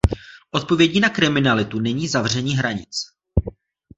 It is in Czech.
Odpovědí na kriminalitu není zavření hranic.